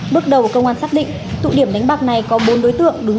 bước đầu công an xác định tụ điểm đánh bạc này có bốn đối tượng